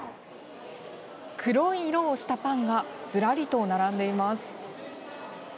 黒い色をしたパンがずらりと並んでいます。